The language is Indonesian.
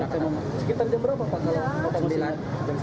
sekitar jam berapa pak